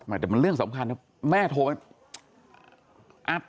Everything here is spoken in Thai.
อ่าแต่มันเรื่องสำคัญนะ